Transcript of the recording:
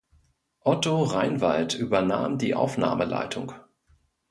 Otto Reinwald übernahm die Aufnahmeleitung.